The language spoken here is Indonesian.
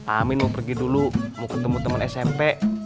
amin mau pergi dulu mau ketemu teman smp